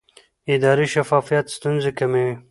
اداري شفافیت ستونزې کموي